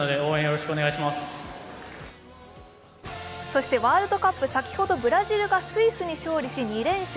そしてワールドカップ、先ほどブラジルがスイスに勝利し２連勝。